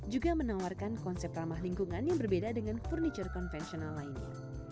juga menawarkan konsep ramah lingkungan yang berbeda dengan furniture konvensional lainnya